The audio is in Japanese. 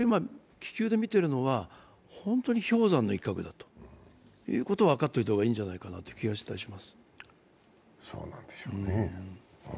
本当に氷山の一角だということを分かっておいたほうがいいんじゃないかという気がいたします。